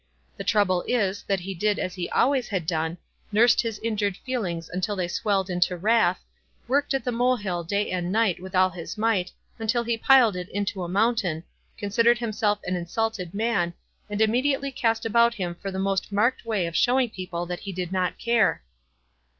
The trouble is that he did as 138 WISE AND OTHERWISE. he always had done, nursed his injured feelings until they swelled into wrath — worked at tho molehill day and night with all his might, until he piled it into a mountain, considered himself an insulted man, and immediately cast about him for the most marked way of showing people that he did not care.